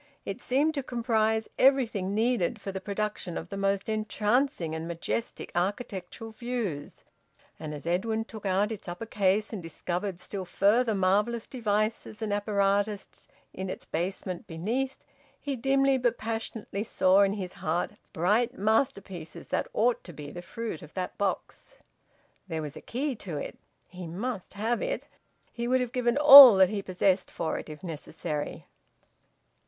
It seemed to comprise everything needed for the production of the most entrancing and majestic architectural views, and as Edwin took out its upper case and discovered still further marvellous devices and apparatus in its basement beneath, he dimly but passionately saw, in his heart, bright masterpieces that ought to be the fruit of that box. There was a key to it. He must have it. He would have given all that he possessed for it, if necessary.